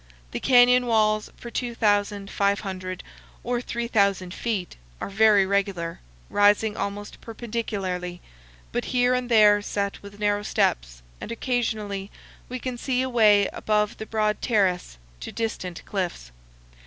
The canyon walls for 2,500 or 3,000 feet are very regular, rising almost perpendicularly, but here and there set with narrow steps, and occasionally we can see away above the broad terrace to distant cliffs.